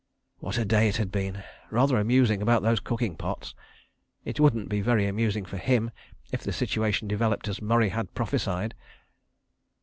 ... What a day it had been! Rather amusing about those cooking pots. It wouldn't be very amusing for him if the situation developed as Murray had prophesied.